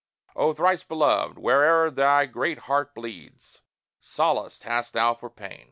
O thrice beloved, where'er thy great heart bleeds, Solace hast thou for pain!